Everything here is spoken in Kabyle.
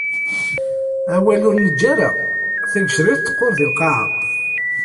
Awal ur neǧǧi ara, tagecrirt teqqur di lqaεa.